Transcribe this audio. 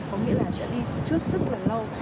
có nghĩa là đã đi trước rất là lâu